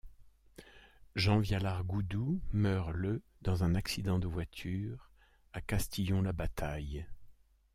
Jean Vialard-Goudou meurt le dans un accident de voiture à Castillon-la-Bataille.